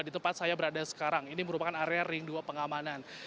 di tempat saya berada sekarang ini merupakan area ring dua pengamanan